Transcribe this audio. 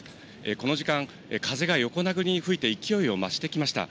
この時間、風が横殴りに吹いて、勢いを増してきました。